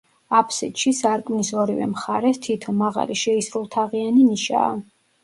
აფსიდში, სარკმლის ორივე მხარეს, თითო, მაღალი, შეისრულთაღიანი ნიშაა.